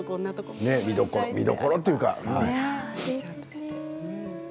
見どころというか。